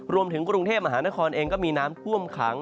รวมถึงกรุงเทพมหานครเองก็มีน้ำท่วมขัง